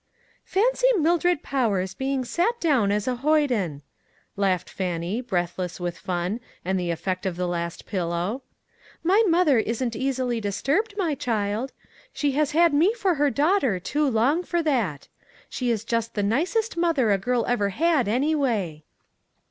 "Fancy Mildred Powers being sat down as a hoyden !" laughed Fannie, breathless with fun and the effect of the last pillow. "My mother isn't easily disturbed, my child. She has had me for her daughter too long for that. She is just the nicest mother.. a girl ever had, anyway."